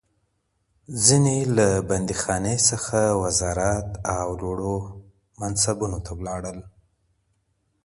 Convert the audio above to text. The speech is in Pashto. ځيني له بنديخانې څخه وزارت او لوړو منصبونو ته ولاړل.